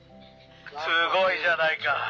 「すごいじゃないか！」。